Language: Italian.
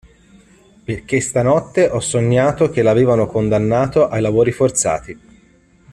Perché stanotte ho sognato che l'avevano condannato ai lavori forzati.